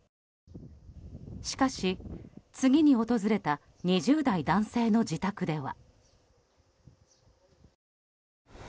しかし、次に訪れた２０代男性の自宅では。